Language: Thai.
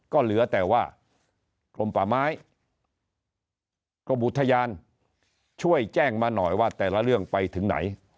ก็เหลือแต่ว่ากรมป่าไม้กรมอุทยานช่วยแจ้งมาหน่อยว่าแต่ละเรื่องไปถึงไหน